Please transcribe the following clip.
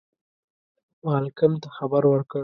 مالکم ته خبر ورکړ.